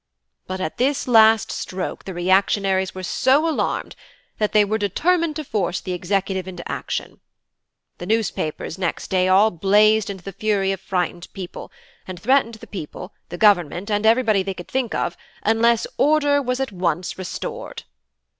"But at this last stroke the reactionaries were so alarmed, that they were, determined to force the executive into action. The newspapers next day all blazed into the fury of frightened people, and threatened the people, the Government, and everybody they could think of, unless 'order were at once restored.'